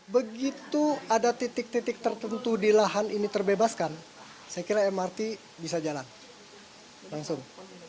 begitu ada titik titik tertentu di lahan ini terbebaskan saya kira mrt bisa jalan langsung